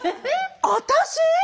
私？